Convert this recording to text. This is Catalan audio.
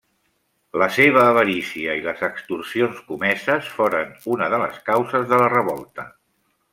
La seva avarícia i les extorsions comeses foren una de les causes de la revolta.